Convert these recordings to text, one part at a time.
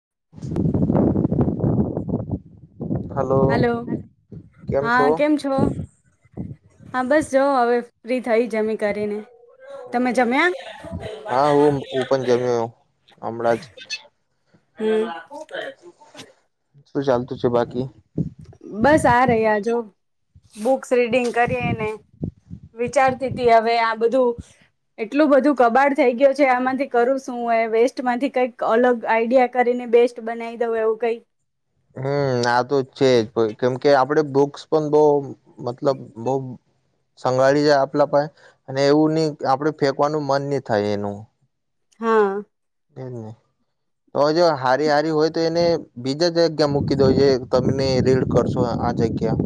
[inaudible] Hello હા કેમ છો હા બસ જો હવે ફ્રી થઈ જમી કરીને તમે હમ જમ્યા હા હું હું પણ જમ્યો એ અમરાજ હમ શું ચાલતું છે બાકી બસ આ રહી આજો. બુક રીિંગ કરી વિચારતી હવે આ બધું એટલું બધું કબાડ થઈ ગયું છે આમાંથી કરું શું વેસ્ટ માંથી કઈક અલગ આઈડિયા કરીને બેસ્ટ બનાવી દઉં એવું કઈ. હમ આ તો છે જ કેમ કે આપડે બુક્સ પણ બહુ મતલબ બહુ સંઘાળી જાય આપલા પાસે અને એવું નહી આપડ ફેંકવાનું મન નહિ થાય એનું હા જ નહી તો જો હારી હારી હોય તો એને બીજા જગ્યા મૂકી દઉ જે તમેને રીડ કરશો આ જગ્યા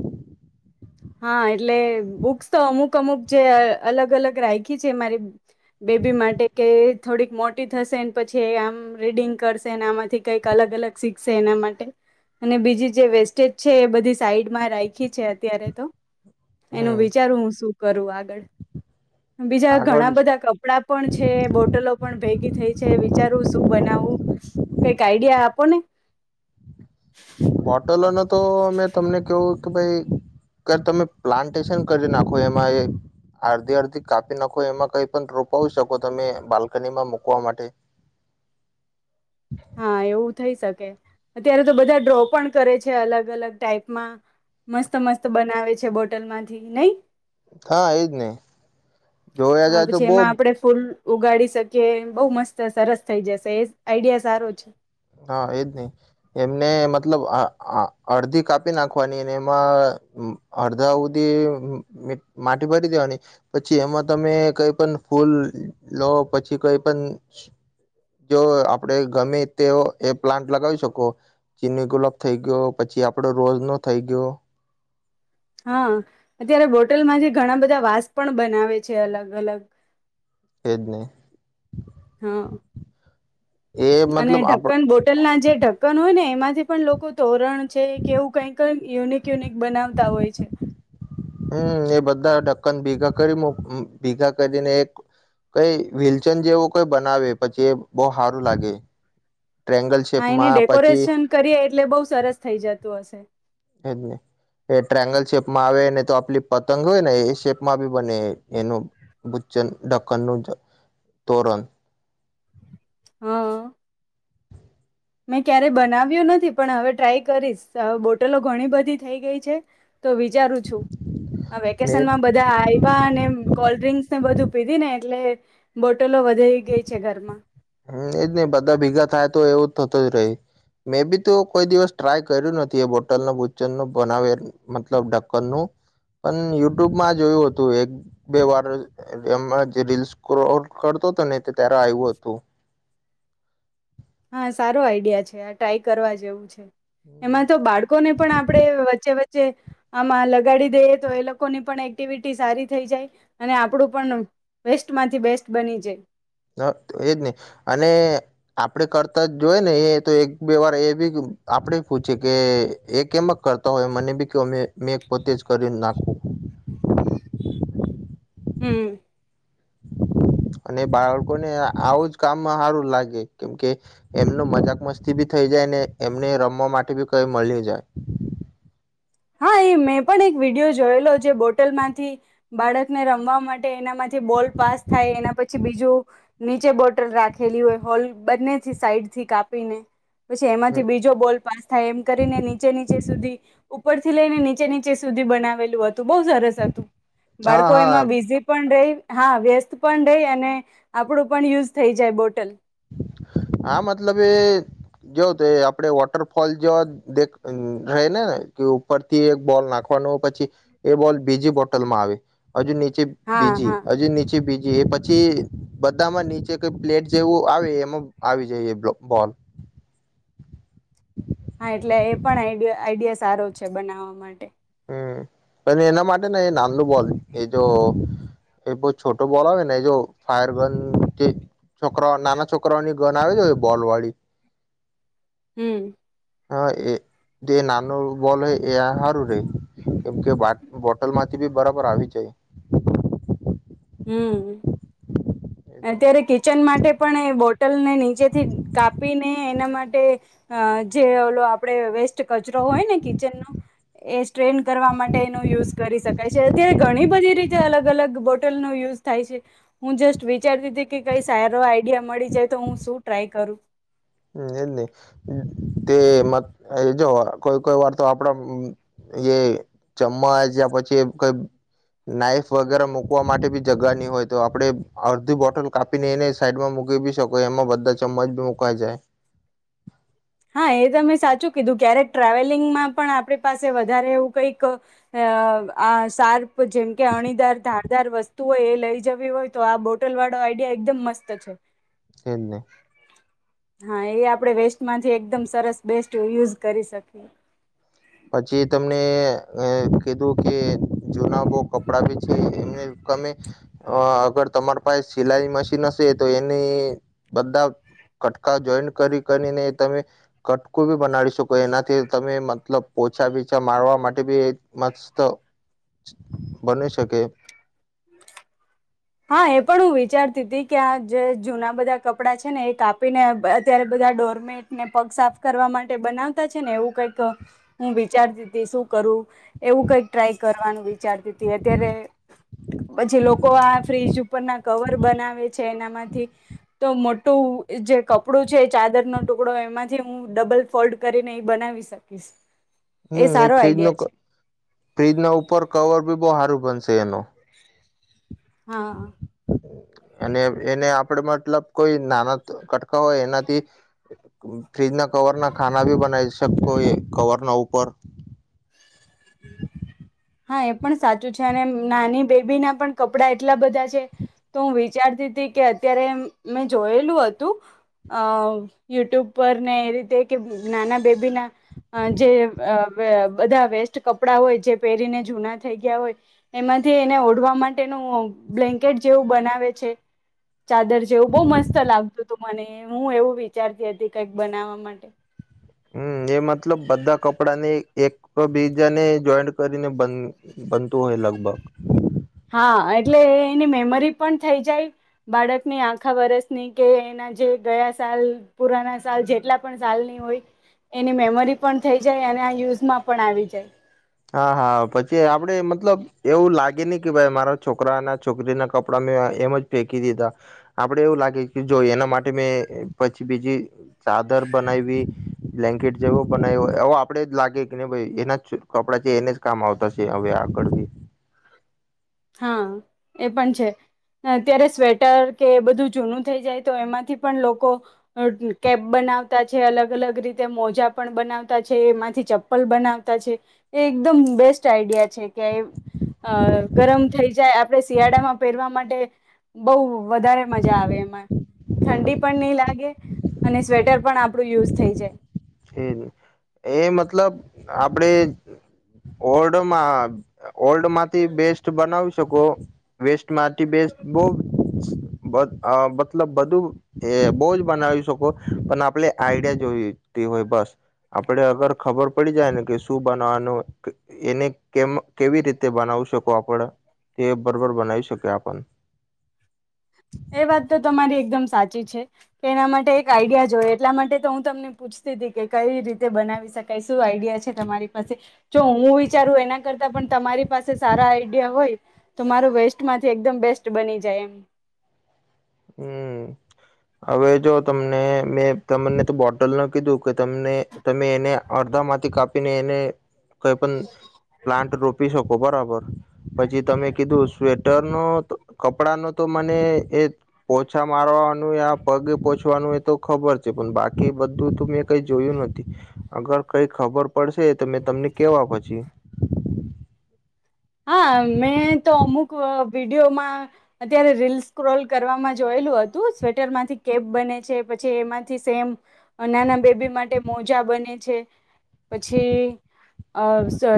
હા એટલે બુક્સ તો અમુક અમુક જે અલગ અલગ રાખી છે મારી બેબી માટે કે થોડીક મોટી થશે પછી એ આમ રીડિંગ કરશેને આમાંથી કંઈક અલગ અલગ શીખશે એના માટે અને બીજી જે વેસ્ટેજ છે એ બધી સાઈડમાં રાખી છે અત્યારે તો એનું હમ વિચારું હું શું કરું આગળ બીજા ઘણા આગળ બધા કપડાં પણ છે બોટલો પણ ભેગી થઈ છે વિચારવું શું બનાવું કઈક આઈડિયા આપોને. બોટલોનો તો મે તમને કેવું કે ભાઈ કા તમે પ્લાન્ટેશન કરી નાખો એમાં એ અડધી અડધી કાપી નાખો એમાં કઈ પણ રોપાવી શકો તમે બાલ્કનીમાં મુકવા માટે. હા એવું થઇ શકે. કે અત્યારે તો બધા ડ્રો પણ કરે છે અલગ-અલગ ટાઈપમાં મસ્ત-મસ્ત બનાવે છે બોટલમાંથી નહીં? હા એજ ને જોયા હા જાય તો પછી બહુ એમાં આપણે ફૂલ ઉગાડી શકીએ બહુ મસ્ત સરસ થઈ જશે એ આઈડિયા સારો છે. હા એજ ને એમને એમ મતલબ આ આ અડધી કાપી નાખવાની અને એમાં અડધા ઉધી મી માટી ભરી દેવાની પછી એમાં તમે કઈ પણ ફૂલ લો પછી કઈ પણ જો આપણેે ગમે તેઓ એ પ્લાન્ટ લગાવી શકો ચીની ગુલાબ થઈ ગયો પછી આપડો રોઝ નો થઈ ગયો. હા અત્યારે બોટલમાંથી ઘણા બધા વાસ પણ બનાવે છે અલગ-અલગ. એજને. હ. એ અને મતલબ આપ ઢક્કન બોટલના જે ઢક્કન હોય ને એમાંથી પણ લોકો તોરણ છે કે એવું કઈક કઈક યુનિક યુનિક બનાવતા હોય છે. હમ્મ, એ બધા ઠક્કન ભેગા કરી ભેગા કરીને એક કઈ વિલચન જેવું કઈ બનાવે પછી એ બહુ હારું લાગે. ટ્રેંગલ હા એને શેપમાં પછી ડેકોરેશન કરીએ એટલે બઉ સરસ થઈ જતું હશે. માઆવે ને તો આપલી પતંગ હોય ને એ શેપમાં બી બને એનું ભુચ્ચન ઢક્કનનું તોરણ. હા. મેં ક્યારે બનાવ્યું નથી પણ હવે ટ્રાય કરીશ બોટલો ઘણી બધી થઈ ગઈ છે. તો વિચારું છું મેં વેકેશનમાં બધા આયવા અને કોલ્ડ ડ્રિંકસને બધું પીધી ને એટલે બો ટલો વધાઈ ગઈ છે ઘરમાં. હમ્મ, એજ ને બધા ભેગા થાય તો એવું થતું જ રેય મે બી તો કોઈ દિવસ ટ્રાય કર્યું નથી એ બોટલના બુચ્ચનનો બનાવે મતલબ ઢક્કન નું પણ યુટ્યુબમાં જોયું હતું એક બે વાર એમ જ રીલ સ્ક્રોલ કરતો હતો ને ત્યારે આવ્યું હતું. હા સારો આઈડિયા છે આ ટ્રાય કરવા જેવું છે. એમાં તો બાળકોને પણ આપણે વચ્ચે વચ્ચે જે આમાં લગાડી દઈએ તો એ લોકોની પણ એક્ટિવિટી સારી થઈ જાય અને આપણું પણ બેસ્ટમાંથી બેસ્ટ બની જાય. હા, આપણે કરતા જોઈ ને એ તો એક બે વાર એ બી આપણે પૂછે કે એ એમ જ કરતા હોય મને બી કેવ મેં એક પોતે જ કરી નાખુ. હમ્મ. અને બાળકોને આવું જ કામમાં હારું લાગે કેમકે એમનો મજાક મસ્તી ભી થઈ જાય ને એમને રમવા માટે બી કઈ મલી જાય. હા એ મેં પણ એક વિડીયો જોયેલો જે બોટલમાંથી બાળકને રમવા માટે એનામાંથી બોલ પાસ થાય એના પછી બીજું નીચે બોટલ રાખેલી હોય હોલ બંનેથી સાઈડથી કાપીને પછી એમાંથી હમ. બીજો બોલ પાસ થાય એમ કરીને નીચે નીચે સુધી ઉપરથી લઈને નીચે નીચે સુધી બનાવેલું હતું. બહુ સરસ હતું હા બાળકો એમાં હા બીઝી પણ રેય હા વ્યસ્ત પણ રઈ અને આપણું પણ યુઝ થઈ જાય બોટલ હા મતલબ એ જોવ તો આપડે વોટરફોલ જો દે રહે ને ને કે ઉપરથી એક બોલ નાખવાનોય પછી, એ બોલ બીજી બોટલમાં આવે. હજુ નીચે હા બીજી હા હજુ નીચે બીજી પછી બધામાં નીચે કઈ પ્લેટ જેવું આવે એમાં આવી જાય બોલ હા એટલે એ પણ આઈ આઈડિયા સારો છે બનાવા માટે હમ પણ એના માટે ને એ નાનો બોલ એ જો એ બહ છોટો બોલ આવે ને એ જો ફાયર ગન જે છોકરાઓ નાના છોકરાઓની ગન આવે છે બોલ વાળી હમ એ દ નનુ બોલે એ હારું રે કેમ કે બોટલ માંથી બી બરાબર આવી જાય હમ અત્યારે કિચન માટે પણ એ બો લ ને નીચેથી કાપીને એ એના માટે જે ઓ આપડ વ કચરો હોય ને કિચન નો એ સ્ટ્રેન કરવા માટે એનું યુઝ કરી શકાય છે અત્યારે ઘણી બધી રીતે અલગ અલગ બોટ યુઝ થાય છે હું જસ્ટ વિચારતી હતી કે કઈ સારો આઈડિયા મળી જાય તો હું શું ટ્રાય કરું હ એજ નહી તે જો કોઈ કોઈ વાર તો આપડા એ ચમ્મચ યા પછી કઈ નાઈફ વગેરે મુૂકવા માટે બી જગા ની હોય તો આપણેે અડધી બોટલ કાપીને એને સાઈડમાં મૂકી બી શકો એમાં બધા ચમ્મચ બી મુકવાઈ જાય હા એ તમે સાચું કીધું ક્યારેક ટ્રાવેલિંગમાં પણ આપણી પાસે વધારે એવું કઈક સાર જેમ કે અણીદાર ધા ાર વસ્તુ હોય એ લઈ જવી હોય તો આ બોટલ વાળો આઈડિયા એકદમ મસ્ત છે એને હા એ આપડે વેસ્ટમાં જે એકદમ સરસ બેસ્ટ યુઝ કરી શકી પછી તમને કીધું કે જુના બહ કપડા બી છે એમને તમે અગર તમારા પાસે સિલાઈ મશીન હશે તો એને બધા કટકા જોઈન્ટ કરી કરીને તમે કટકોું બી બનાવી શકો એનાથી તમે મતલ ઓછા બીછા મારવા માટે બી મસ્ત તો બને શકે હા એ પણ હું વિચારતી હતી કે આ જે જૂના બધા કપડાં છે ને એ કાપીને અત્યારે બધા ડોરમેટને પગ સાફ કરવા માટે બનાવતા છે ને એવું કઈક હું વિચારતી હતી શું કરું એવું કઈક ટ્રાય કરવાનું વિચારતી હતી અત્યારે પછી લોકો આ ફ્રીજ ઉપરના કવર બનાવે છે એનામાંથી તો મોટું જે કપડું છે ચાદરનો ટુકડો એમાંથી હું ડબલ ફોલ્ડ કરીને એ બનાવી શકીશ હમ એ સારો ફ્રીજ આઈડિયા છે [inaudible] ફ્રીજ ના ઉપર કવર બો હારું બનશે એનો હા અને એને આપડ મતલબ કોઈ નાના કટકા હોય એનાથી ફ્રીજ ના કવર ના ખાના ભી બનાય છે કોઈ કવર ના ઉપર હા એ પણ સાચું છે અને નાની બેબી ના પણ કપડા એટલા બધા છે તો હું વિચારતી હતી કે અત્યારે મેં જોયેલું હતું અ યુટ્યુબ પર ને એ રીતે કે નાના બેબીના જે બધા વેસ્ટ કપડા હોય જે પહેરીને જૂના થઈ ગયા હોય એમાંથી એને ઓઢવા માટેનું બ્લેન્કેટ જેવું બનાવે છે ચાદર જેવું બો મસ્ત લાગતું હતું મને હું એવું વિચારતી હતી કઈક બનાવા માટે હમ એ મતલબ બધા કપડા ને એક બીજાને જોઈન્ટ કરીને બનતું હોય લગભગ હા એટલે એની મેમરી પણ થઈ જાય બાળકની આખા વરસની કે એના જે ગયા સાલ પુરાના સાલ જેટલા પણ સાલની હોય એની મેમરી પણ થઈ જાય અને આ યુઝમાં પણ આવી જાય હા હા પછી આપડે મતલબ એવું લાગે ની કે ભાઈ મારા છોકરા ના છોકરીના કપડાં મેં એમ જ ફેંકી દીધા આપડે એવું લાગે જો એના માટે મેં પછી બીજી ચાદર બનાવીવી બ્લેન્કેટ જેવો બનાવ્યો એ‌ આપડે જ લાગે કેને ભાઈ એના કપડા છે એને જ કામ આવતા છે હવે આગળ હા એ પણ છે અત્યારે સ્વેટર કે એ બધું જૂનું થઈ જાય તો એમાંથી પણ લોકો કેપ બનાવતા છે અલગ અલગ રીતે મોજા પણ બનાવતા છે એમાંથી ચપ્પલ બનાવતા છે એ એકદમ બેસ્ટ આઈડિયા છે કેય અ ગરમ થઈ જાય આપણે શિયાળામાં પહેરવા માટે બોઉ વધારે મજા આવે એમાં એમ ઠંડી પણ નહી લાગે અને સ્વેટર પણ આપણું યુઝ થઈ જાય એ મતલબ આપડે ઓલ્ડમાં ઓલ્ડ માંથી બેસ્ટ બનાવી શકો વેસ્ટ માંથી બેસ્ટ બો મતલબ બધું બો જ બનાવી શકો પણ આપડ આઈડિયા જોયું હોય બસ આપણે અગર ખબર પડી જાય ને કે શું બનાવાનું એને કેવી રીતે બનાવી શકો આપડ તે બરોબર બનાવી શકીએ આપ એ વાત તો તમારી એકદમ સાચી છે કે એના માટે એક આઈડિયા જોય એટલા માટે તો હું તમને પૂછતી હતી કે કઈ રીતે બનાવી શકાય શું આઈડિયા છે તમારી પાસે જો હું વિચારું એના કરતા પણ તમારી પાસે સારા આઈડિયા હોય તો માર વેસ્ટ માંથી એકદમ બેસ્ટ બની જાય એમ હમ હવે જો તમને મેં તમને તો બોટલ કીધું તમને તમે એને અડધા માંથી કાપીને એને કઈ પણ પ્લાન્ટ રોપી શકો બરાબર પછી તમે કીધું સ્વેટર નો કપડા નો તો મને એ પોછા મારવાનું પગે પોહચવાનું એ તો ખબર પણ બાકી બધું મેં કઈ જોયું નથી અગર કઈ ખબર પડશે તો મેં તમને કેવા પછી હા મેં તો અમુક વિડીયોમાં અત્યારે રીલ સ્ક્રોલ કરવામાં જોયેલું હતું સ્વેટર માંથી કેપ બને છે પછી એમાંથી સેમ નાના બેબી માટે મોજા બને છે પછી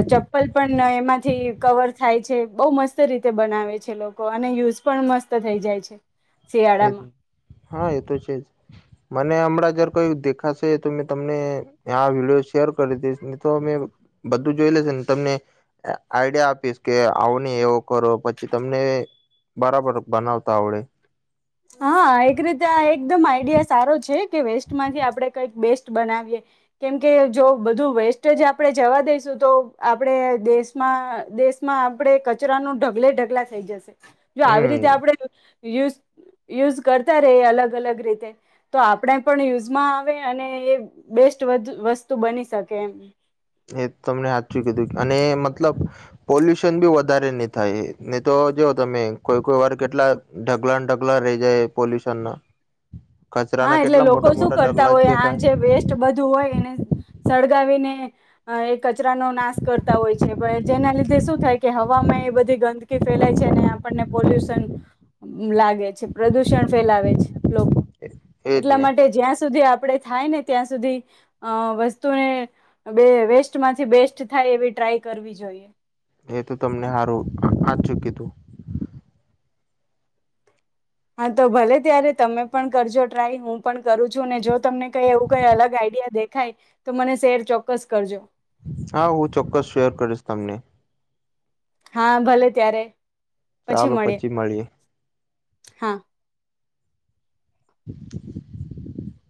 ચપ્પલ પન એમાંથી કવર થાય છે બો મસ્ત રીતે બનાવે છે એલોકો અને યુઝ પણ મસ્ત થઈ જાય છે એ શિયાળામાં હા એ તો છે જ મને હમણાં અગર કોઈ દેખાશે તો મેં તમને વિડીયો શેર કરી દઈશ ને તો અમે બધું જોઈ લેશે ને તમને આઈડિયા આપીશ કે આવોને એવો કરો પછી તમને બરાબર બનાવતા આવડે હા એક રીતે આ એકદમ આઈડિયા સારો છે કે વેસ્ટમાંથી આપડણે કંઈક બેસ્ટ બનાવીએ કેમકે જો બધું વેસ્ટ જ આપણે જવા દઈશું તો આપણે દેશમાં દેશમાં આપણે કચરાનું ઢગલે ઢગલા થઈ જશે જો આવી રીતે હમ આપડે સુ યુઝ કરતા ર અલગ અલગ રીતે તો આપણે પણ યુઝમાં આવે અને એ બેસ્ટ વસ્તુ બની શકે એમ એ તમને સાાચું કીધું અને મતલબ પોલ્યુશન બી વધારે નહી થાય નહી તો જોવ તમે કોઈ કોઈ વાર કેટલા ઢગલા ઢગલા રહી જાય પોલ્યુશનના હા એટલે લોકો શું કરતા જ હોય હા જે દેખાય વેસ્ટ બધું હોય એને સ ઉગાવીને એ કચરાનો નાશ કરતા હોય છે પણ જેના લીધે શું થાય કે હવામાં એ બધી ગંદકી ફેલાય છે અને આપણને પોલ્યુશન લાગે છે પ્રદુષણ ફેલાવે છે લોકો એજ એટલા ને માટે જ્યાં સુધી આપ આપણે થાય ને ત્યાં સુધી અ વસ્તુને બે વસ્ટમાંથી બેસ્ટ થાય એવી ટ્રાય કરવી જોઈએ એ તો તમને સારું આજ ચુકી હતું હા તો ભલે ત્યારે તમે પણ કરજો ટ્રાય હું પણ કરું છું ને જો તમને કઈ એવું કઈ અલગ આઈડિયા દે ખાય તો મને શેર ચોક્કસ કરજો. હા હું ચોક્કસ શેર કરીશ તમને હા ભલે ત્યારે ચાલો પછી મળીએ. હા, [inaudible]